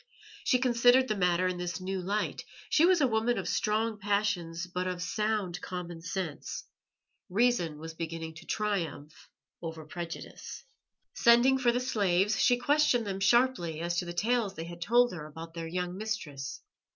She considered the matter in this new light. She was a woman of strong passions but of sound common sense; reason was beginning to triumph over prejudice. Sending for the slaves, she questioned them sharply as to the tales they had told her about their young mistress.